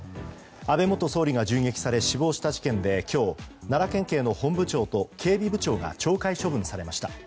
安倍元総理が銃撃され死亡した事件で今日、奈良県警の本部長と警備部長が懲戒処分されました。